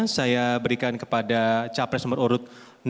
saya berikan kepada capres nomor urut dua